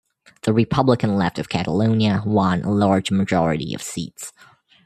The Republican Left of Catalonia won a large majority of seats.